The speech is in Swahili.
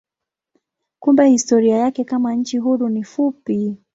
Kumbe historia yake kama nchi huru ni fupi.